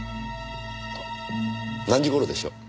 何時頃でしょう？